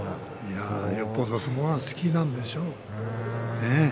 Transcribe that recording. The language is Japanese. やっぱり相撲が好きなんでしょう。